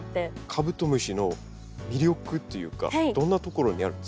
カブトムシの魅力っていうかどんなところにあるんですか？